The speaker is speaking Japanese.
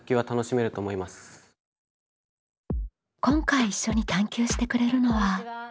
今回一緒に探究してくれるのは。